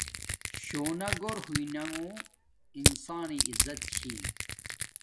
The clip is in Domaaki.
شونا گھور ہویانگو انسانݵ عزت چھی